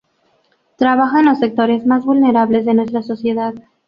Trabaja en los sectores más vulnerables de nuestra sociedad.